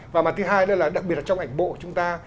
và mặt thứ hai đó là đặc biệt trong ảnh bộ chúng ta